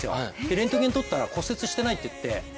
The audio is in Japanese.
レントゲン撮ったら骨折してないって言って。